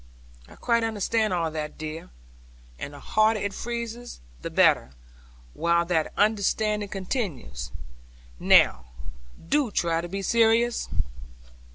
'I quite understand all that, dear. And the harder it freezes the better, while that understanding continues. Now do try to be serious.'